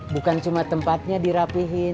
bukan cuma tempatnya dirapihin